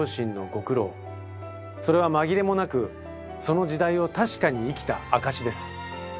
それは紛れもなくその時代を確かに生きた証しです。